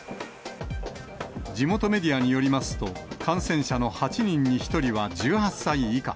地元メディアによりますと、感染者の８人に１人は１８歳以下。